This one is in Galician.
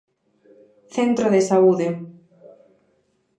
Centro de saúde.